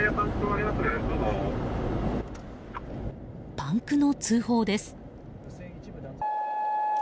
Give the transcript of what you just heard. パンクの通報です。